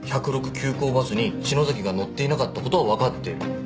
急行バスに篠崎が乗っていなかった事はわかってる。